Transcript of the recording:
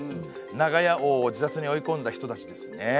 長屋王を自殺に追い込んだ人たちですね。